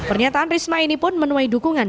pernyataan risma ini pun menuai dukungan